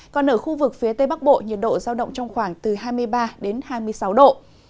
còn ở khu vực phía tây bắc bộ nhiệt độ giao động trong khoảng từ hai mươi ba đến hai mươi sáu độ